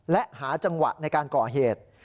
และหาจังหวะในการก่อเหตุ